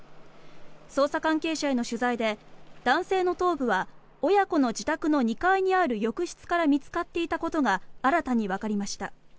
捜査関係者への取材で男性の頭部は親子の自宅の２階にある浴室から見つかっていたことが新たにわかりました。